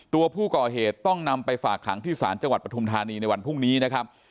ตัวผู้ก่อเหตุต้องนำไปฝากขังที่ศาลจังหวัดปฐุมธานีในวันพรุ่งนี้นะครับ